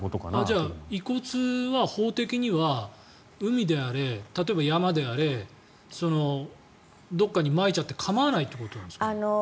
じゃあ、遺骨は法的には海であれ例えば、山であれどこかにまいちゃって構わないということですか。